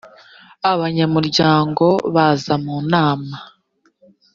abanyamuryango baza mu nama